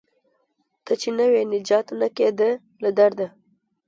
ته چې نه وې نجات نه کیده له درده